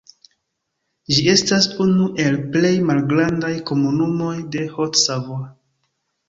Ĝi estas unu el plej malgrandaj komunumoj de Haute-Savoie.